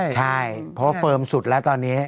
ใช่เพราะว่าเฟิร์มสุดแล้วตอนนี้